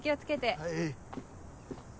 はい。